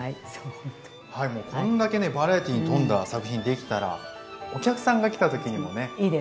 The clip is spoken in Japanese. はいもうこんだけねバラエティーに富んだ作品できたらお客さんが来た時にもね。